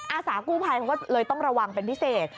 อาสากู้ภัยเขาก็เลยต้องระวังเป็นพิเศษ